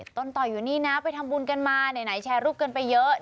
ต้นต่ออยู่นี่นะไปทำบุญกันมาไหนแชร์รูปกันไปเยอะ